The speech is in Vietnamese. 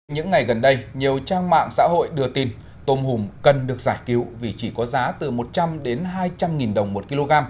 những ngày gần đây nhiều trang mạng xã hội đưa tin tôm hùm cần được giải cứu vì chỉ có giá từ một trăm linh đến hai trăm linh nghìn đồng một kg